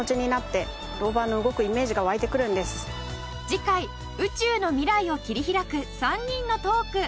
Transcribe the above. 次回宇宙のミライを切り開く３人のトーク。